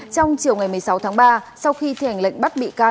trong chiều ngày một mươi sáu tháng ba sau khi thi hành lệnh bắt bị can